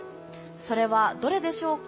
それはどれでしょうか？